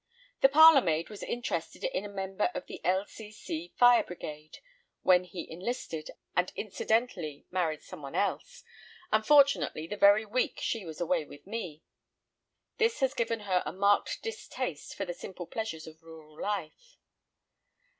The parlourmaid was interested in a member of the L.C.C. Fire Brigade, when he enlisted, and incidentally married someone else—unfortunately the very week she was away with me. This has given her a marked distaste for the simple pleasures of rural life.